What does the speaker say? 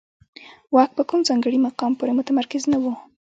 واک په کوم ځانګړي مقام پورې متمرکز نه و.